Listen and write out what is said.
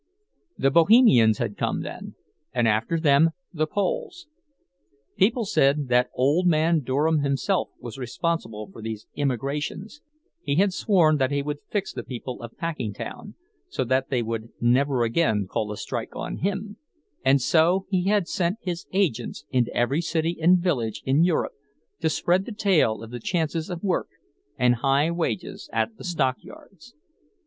The Bohemians had come then, and after them the Poles. People said that old man Durham himself was responsible for these immigrations; he had sworn that he would fix the people of Packingtown so that they would never again call a strike on him, and so he had sent his agents into every city and village in Europe to spread the tale of the chances of work and high wages at the stockyards.